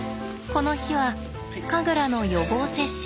この日はカグラの予防接種。